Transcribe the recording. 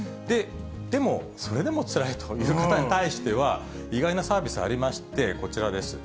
でも、それでもつらいという方に対しては、意外なサービスありまして、こちらです。